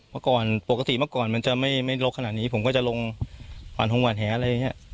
แล้วกอนปกติเมื่อก่อนมันจะไม่โรคขนาดนี้ผมก็จะลงวันฮงวันแรงอะไรนี้